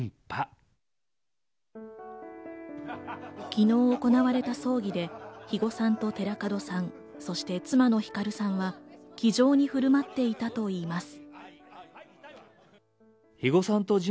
昨日行われた葬儀で肥後さんと寺門さん、そして妻のひかるさんは気丈に振る舞っていたといいます。